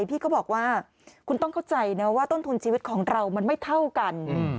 พี่ก็บอกว่าคุณต้องเข้าใจนะว่าต้นทุนชีวิตของเรามันไม่เท่ากัน